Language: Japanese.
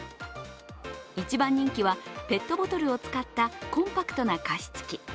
一番人気はペットボトルを使ったコンパクトな加湿器。